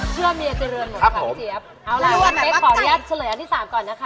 เชื่อเมียเจริญหมดครับพี่เจี๊ยบเอาล่ะพี่เจ๊ขอเรียกเฉลยอันที่๓ก่อนนะคะ